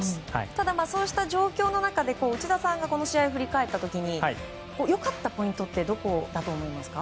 ただそうした状況の中で内田さんがこの試合を振り返った時に良かったポイントってどこだと思いますか？